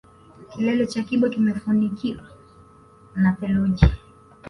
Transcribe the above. Kilele cha kibo kimefunikwa na theluji